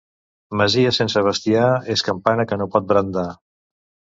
Masia sense bestiar és campana que no pot brandar.